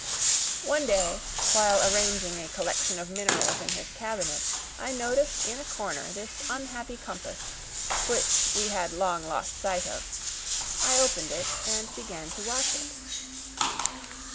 One day, while arranging a collection of minerals in his cabinet, I noticed in a corner this unhappy compass, which we had long lost sight of; I opened it, and began to watch it.